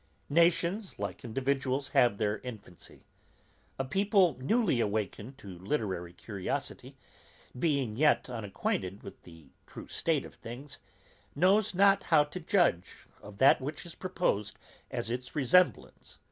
Nations, like individuals, have their infancy. A people newly awakened to literary curiosity, being yet unacquainted with the true state of things, knows not how to judge of that which is proposed as its resemblance.